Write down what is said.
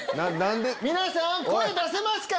皆さん声出せますか？